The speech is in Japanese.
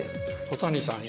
戸谷さん